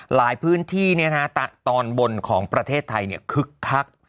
หลายพื้นที่ตอนบนของประเทศไทยคึกคัก